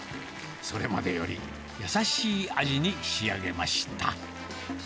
それまでより優しい味に仕上げました。